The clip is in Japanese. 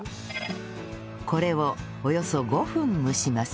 これをおよそ５分蒸します